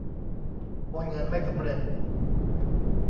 โอนเงินไม่สำเร็จ